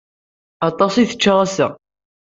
Aṭas i tečča ass-a.